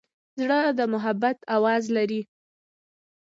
زړه د محبت آواز لري.